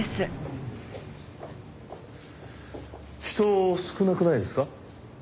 人少なくないですか？